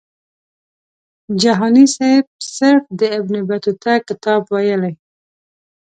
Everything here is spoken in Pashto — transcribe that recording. جهاني سیب صرف د ابن بطوطه کتاب ویلی.